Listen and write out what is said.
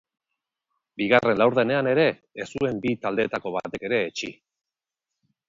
Bigarren laurdenean ere ez zuen bi taldeetako batek ere etsi.